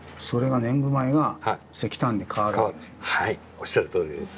おっしゃるとおりです。